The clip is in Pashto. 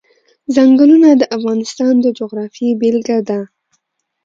ځنګلونه د افغانستان د جغرافیې بېلګه ده.